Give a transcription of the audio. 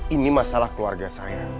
ini masalah keluarga saya